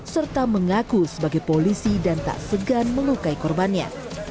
serta mengaku sebagai polisi dan tak segan melukai korbannya